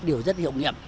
điều rất hiệu nghiệm